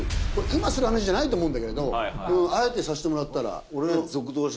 今する話じゃないと思うんだけどあえてさせてもらったら。